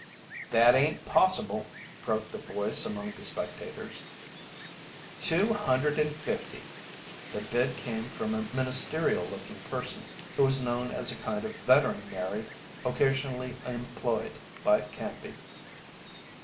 "That ain't possible," croaked a voice among the spectators. "Two hundred and fifty!" The bid came from a ministerial looking person who was known as a kind of veterinary occasionally employed by Canby.